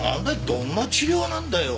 どんな治療なんだよ